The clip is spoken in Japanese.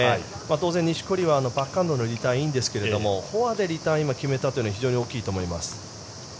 当然、錦織はバックハンドのリターンいいんですけどフォアでリターンを決めたのは非常に大きいと思います。